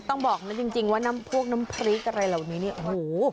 ต้องบอกนะจริงว่าน้ำพวกน้ำพริกอะไรเหล่านี้เนี่ยโอ้โห